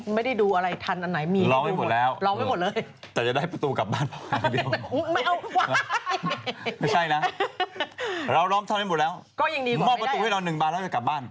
มองประตูให้เรา๑บาทแล้วก็กลับบ้าน